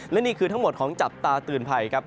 และนี่คือทั้งหมดของจับตาเตือนภัยครับ